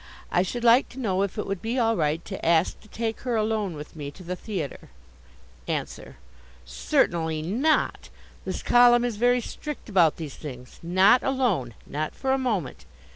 I should like to know if it would be all right to ask to take her alone with me to the theatre? Answer: Certainly not. This column is very strict about these things. Not alone. Not for a moment.